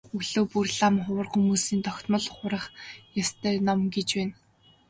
Өглөө бүр лам хувраг хүмүүсийн тогтмол хурах ёстой ном гэж байна.